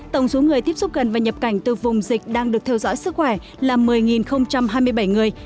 tổng số người tiếp xúc gần và nhập cảnh từ vùng dịch đang được theo dõi sức khỏe là một mươi hai mươi bảy người